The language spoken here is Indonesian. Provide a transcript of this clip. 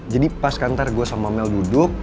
jadi pas kan ntar gue sama mel duduk